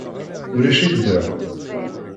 Ulac-ik da?